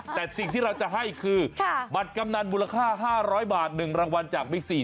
แต่สิ่งที่เราจะให้คือบัตรกำนันมูลค่า๕๐๐บาท๑รางวัลจากบิ๊กซี